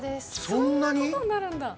そんなことになるんだ。